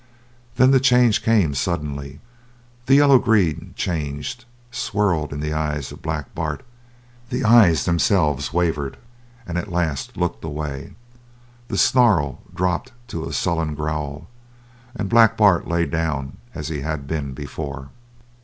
Then the change came, suddenly. The yellow green changed, swirled in the eyes of Black Bart; the eyes themselves wavered, and at last looked away; the snarl dropped to a sullen growl. And Black Bart lay down as he had been before.